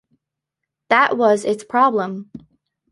That was its problem.